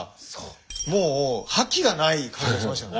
もう覇気がない感じがしましたよね。